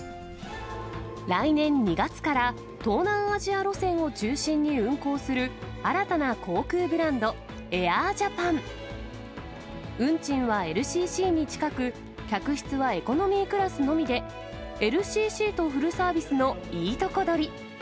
来年２月から東南アジア路線を中心に運航する新たな航空ブランド、ＡｉｒＪａｐａｎ運賃はＬＣＣに近く、客室はエコノミークラスのみで、ＬＣＣとフルサービスのいいとこ取り。